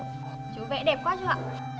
chú vẽ đẹp quá chú ạ